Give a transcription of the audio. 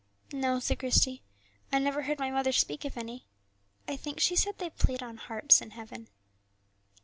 "No," said Christie, "I never heard my mother speak of any; I think she said they played on harps in heaven."